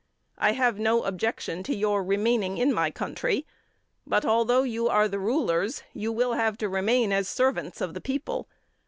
I have no objection to your remaining in my country, but although you are the rulers, you will have to remain as servants of the people.